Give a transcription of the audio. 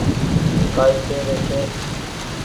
ڪآ ئي ڪهري ڇي